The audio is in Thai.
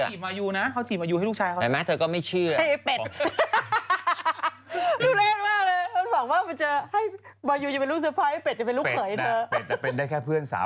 เขาถีบมายูนะเขาถีบมายูให้ลูกชายเขา